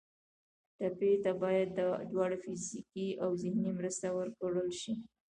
ټپي ته باید دواړه فزیکي او ذهني مرسته ورکړل شي.